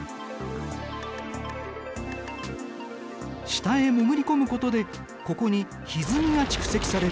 下へ潜り込むことでここにひずみが蓄積される。